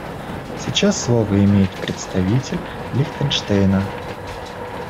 Сейчас слово имеет представитель Лихтенштейна.